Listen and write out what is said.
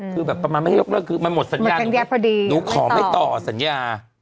คือแบบประมาณไม่ให้ยกเลิกคือมันหมดสัญญาพอดีหนูขอไม่ต่อสัญญา